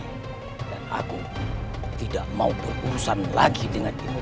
dan aku tidak mau berurusan lagi dengan ibu kemal